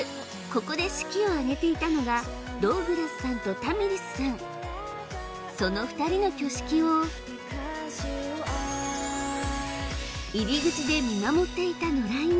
ここで式を挙げていたのがドウグラスさんとタミリスさんその２人の挙式を入り口で見守っていた野良犬